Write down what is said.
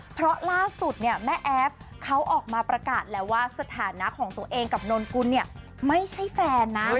เพราะล่าสุดเนี่ยแม่แอฟเขาออกมาประกาศแล้วว่าสถานะของตัวเองกับนนกุลเนี่ยไม่ใช่แฟนนะ